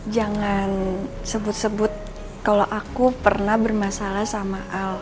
jangan sebut sebut kalau aku pernah bermasalah sama al